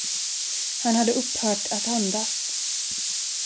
Han hade upphört att andas.